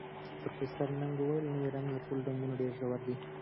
پروفیسر نګ وویل، نوی رنګ له ټولو رنګونو ډېر ژور دی.